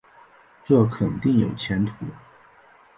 这肯定有前途